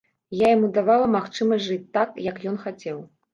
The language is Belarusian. Я яму давала магчымасць жыць так, як ён хацеў.